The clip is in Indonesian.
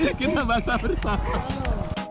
hahaha kita basah bersama